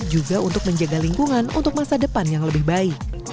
juga untuk menjaga lingkungan untuk masa depan yang lebih baik